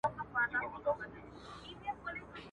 سياستپوهنه د انساني ژوند سره نه شلېدونکې اړيکه لري.